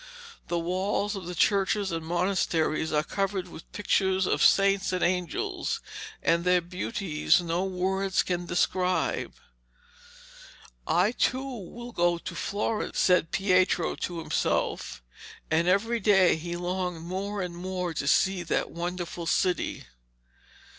The walls of the churches and monasteries are covered with pictures of saints and angels, and their beauty no words can describe.' 'I too will go to Florence, said Pietro to himself, and every day he longed more and more to see that wonderful city.